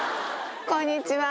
こんにちは。